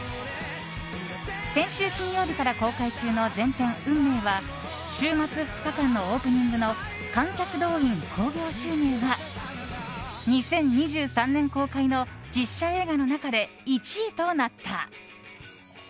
先週金曜日から公開中の前編「‐運命‐」は週末２日間のオープニングの観客動員、興行収入が２０２３年公開の実写映画の中で１位となった。